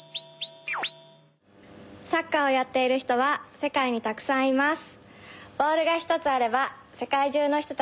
サッカーをやっている人は世界にたくさんいます。